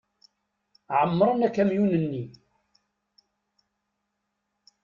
Ԑemmren akamyun-nni.